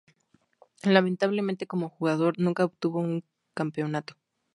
Lamentablemente como jugador, nunca obtuvo un campeonato.